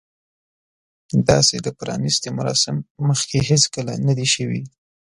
داسې د پرانیستې مراسم مخکې هیڅکله نه دي شوي.